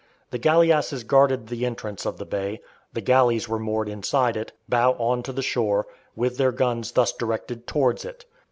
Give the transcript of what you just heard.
The galeasses guarded the entrance of the bay; the galleys were moored inside it, bow on to the shore, with their guns thus directed towards it.